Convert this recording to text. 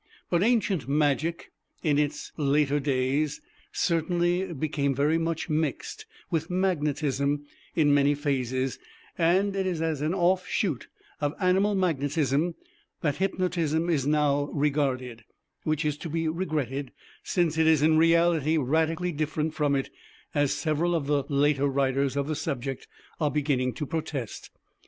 But ancient magic in its later days certainly became very much mixed with magnetism in many phases, and it is as an off shoot of Animal Magnetism that Hypnotism is now regarded, which is to be regretted, since it is in reality radically different from it, as several of the later writers of the subject are beginning to protest.